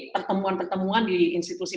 pertemuan pertemuan di institusi